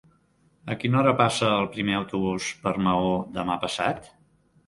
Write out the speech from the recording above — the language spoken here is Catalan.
A quina hora passa el primer autobús per Maó demà passat?